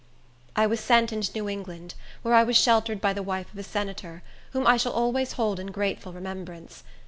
I was sent into New England, where I was sheltered by the wife of a senator, whom I shall always hold in grateful remembrance.